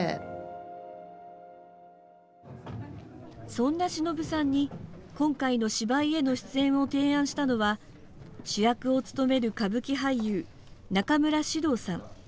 そんなしのぶさんに、今回の芝居への出演を提案したのは、主役をつとめる歌舞伎俳優、中村獅童さん。